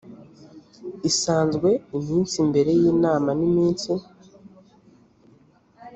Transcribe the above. isanzwe iminsi mbere y inama n iminsi